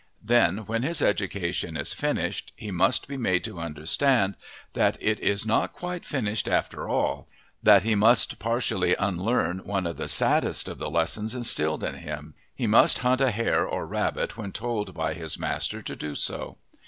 Then, when his education is finished, he must be made to understand that it is not quite finished after all that he must partially unlearn one of the saddest of the lessons instilled in him. He must hunt a hare or rabbit when told by his master to do so.